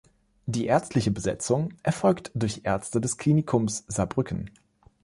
Die ärztliche Besetzung erfolgt durch Ärzte des Klinikums Saarbrücken.